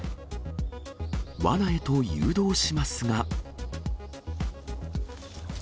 わなへと誘導しますが。